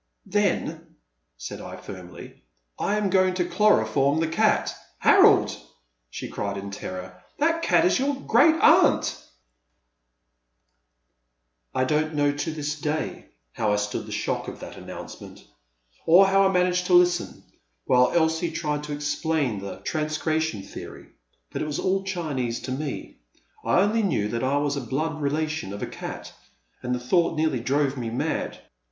Then," said I firmly, I am going to chloro form the cat." "Harold!" she cried in terror, that cat is your great aunt !" I don't know to this day how I stood the shock of that announcement, or how I managed to listen, while Klsie tried to explain the transmi 40O Tlie Man at the Next Table* gration theory, but it was all Chinese to me. I only knew that I was a blood relation of a cat, and the thought nearly drove me mad.